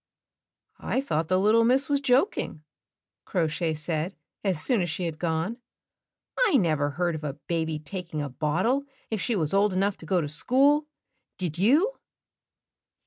"I thought the Httle Miss was joking," Crow Shay said as soon as she had gone. "I never heard of a baby taking a bottle if she was old enough to go to school, did you?